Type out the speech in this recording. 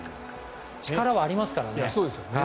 力はありますからね。